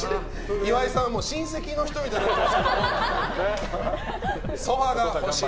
岩井さん、親戚の人みたい。